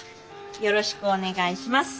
よろしくお願いします。